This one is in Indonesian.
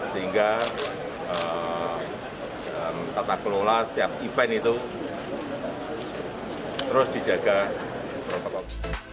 sehingga tata kelola setiap event itu terus dijaga protokol